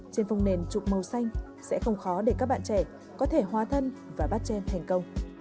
trên phòng nền chụp màu xanh sẽ không khó để các bạn trẻ có thể hóa thân và bắt chen thành công